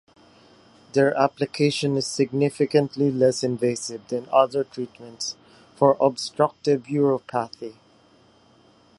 Their application is significantly less invasive than other treatments for obstructive uropathy.